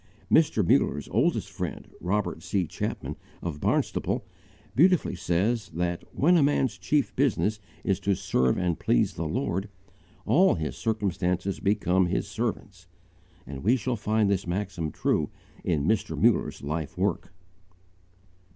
Mr. Muller's oldest friend, Robert C. Chapman of Barnstaple, beautifully says that "when a man's chief business is to serve and please the Lord, all his circumstances become his servants"; and we shall find this maxim true in Mr. Muller's life work.